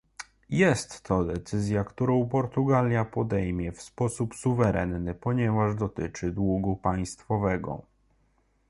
Jest to decyzja, którą Portugalia podejmie w sposób suwerenny, ponieważ dotyczy długu państwowego